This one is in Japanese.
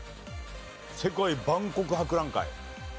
世界万国博覧会。